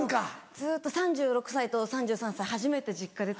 ずっと３６歳と３３歳初めて実家出た状態で。